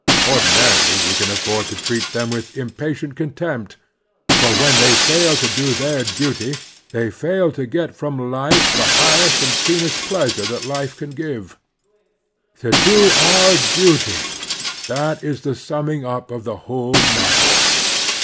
Ordinarily, we can aflford to treat them with impatient contempt; for when they fail to do their duty they fail to get from life the highest and keenest pleasure that life can give. To do our duty — ^that is the summing up of the whole matter.